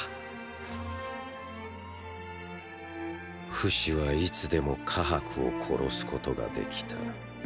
フシはいつでもカハクを殺すことができた。